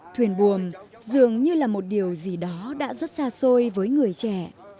thuyền buồm dường như là một điều gì đó đã rất xa xôi với người trẻ